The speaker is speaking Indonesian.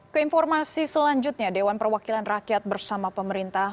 keinformasi selanjutnya dewan perwakilan rakyat bersama pemerintah